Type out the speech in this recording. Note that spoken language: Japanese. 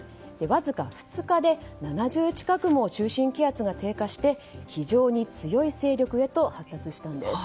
わずか２日で７０近くも中心気圧が低下して非常に強い勢力へと発達したんです。